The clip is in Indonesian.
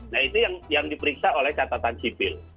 nah itu yang diperiksa oleh catatan sipil